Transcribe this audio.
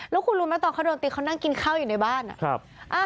แล้วคุณรู้ไหมตอนเขาโดนตีเขานั่งกินข้าวอยู่ในบ้าน